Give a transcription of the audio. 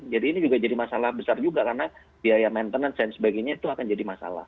jadi ini juga jadi masalah besar juga karena biaya maintenance dan sebagainya itu akan jadi masalah